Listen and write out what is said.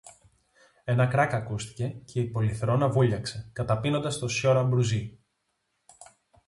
Ένα κρακ ακούστηκε, και η πολυθρόνα βούλιαξε, καταπίνοντας το σιορ-Αμπρουζή.